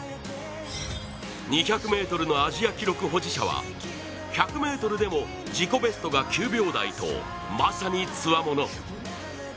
２００ｍのアジア記録保持者は１００ｍでも自己ベストが９秒台とまさに、つわもの。